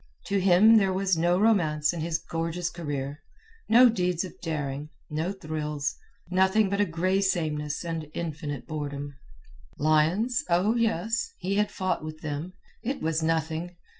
To him there was no romance in his gorgeous career, no deeds of daring, no thrills—nothing but a gray sameness and infinite boredom. Lions? Oh, yes! he had fought with them. It was nothing.